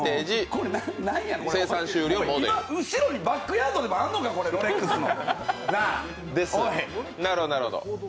これ、何なんや、後ろにバックヤードでもあんのかロレックスの？